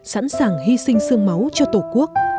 sẵn sàng hy sinh sương máu cho tổ quốc